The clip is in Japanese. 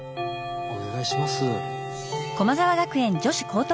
お願いします。